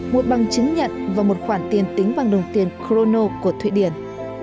một bằng chứng nhận và một khoản tiền tính bằng đồng tiền corno của thụy điển